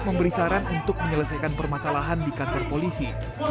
memberi saran untuk menyelesaikan permasalahan di kantor polisi